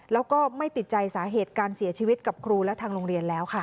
แล้วก็ไม่ติดใจสาเหตุการเสียชีวิตกับครูและทางโรงเรียนแล้วค่ะ